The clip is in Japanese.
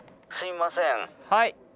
はい。